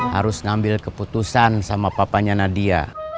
harus ngambil keputusan sama papanya nadia